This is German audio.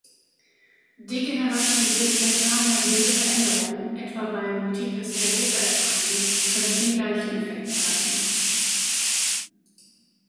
Degenerative zentralnervöse Veränderungen, etwa bei Multiple Sklerose Erkrankten können den gleichen Effekt zeigen.